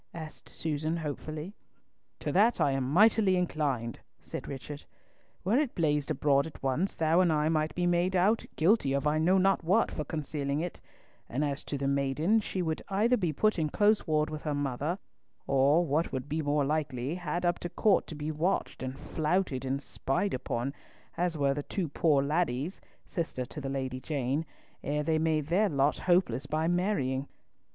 asked Susan hopefully. "To that am I mightily inclined," said Richard. "Were it blazed abroad at once, thou and I might be made out guilty of I know not what for concealing it; and as to the maiden, she would either be put in close ward with her mother, or, what would be more likely, had up to court to be watched, and flouted, and spied upon, as were the two poor ladies—sisters to the Lady Jane—ere they made their lot hopeless by marrying.